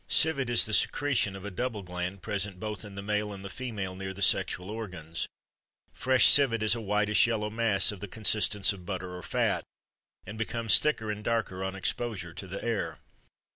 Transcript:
Civet is the secretion of a double gland present both in the male and the female near the sexual organs. Fresh civet is a whitish yellow mass of the consistence of butter or fat, and becomes thicker and darker on exposure to the air.